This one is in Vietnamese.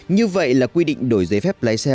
như vậy là quy định đổi giấy phép lái xe